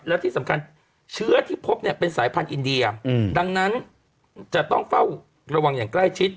แล้วที่สำคัญเชื้อที่พบเนี่ยเป็นสายพันธุ์อินเดียดังนั้นจะต้องเฝ้าระวังอย่างใกล้ชิด